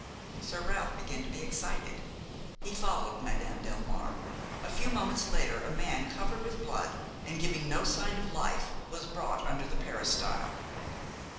Sir Ralph began to be excited. He followed Madame Delmare. A few moments later a man covered with blood and giving no sign of life was brought under the peristyle.